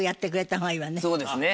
そうですね。